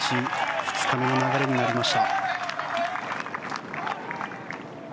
２日目の流れになりました。